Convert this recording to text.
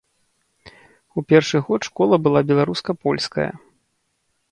У першы год школа была беларуска-польская.